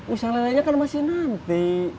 usah lelenya kan masih nanti